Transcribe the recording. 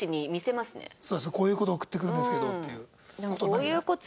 こういう事送ってくるんですけどっていう。